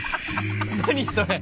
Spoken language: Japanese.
何それ。